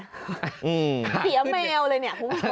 เสียแมวเลยเนี่ย